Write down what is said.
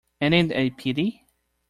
Ain't it a pity?